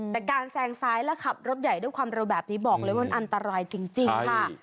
แต่การแซงซ้ายและขับรถใหญ่ด้วยความเร็วแบบนี้บอกเลยว่ามันอันตรายจริงค่ะ